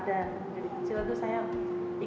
jadi anaknya sepuluh dirawat sendiri